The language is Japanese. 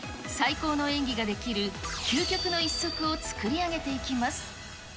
最高の演技ができる究極の一足を作り上げていきます。